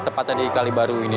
tepatnya di kali baru ini